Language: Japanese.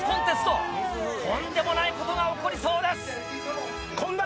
とんでもないことが起こりそうです！